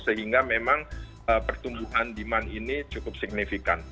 sehingga memang pertumbuhan demand ini cukup signifikan